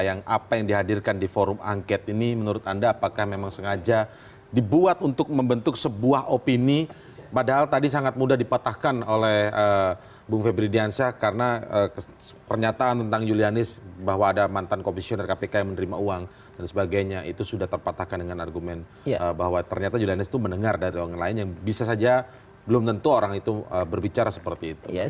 yang apa yang dihadirkan di forum anget ini menurut anda apakah memang sengaja dibuat untuk membentuk sebuah opini padahal tadi sangat mudah dipatahkan oleh bung febrili diansyah karena pernyataan tentang julianis bahwa ada mantan komisioner kpk yang menerima uang dan sebagainya itu sudah terpatahkan dengan argumen bahwa ternyata julianis itu mendengar dari orang lain yang bisa saja belum tentu orang itu berbicara seperti itu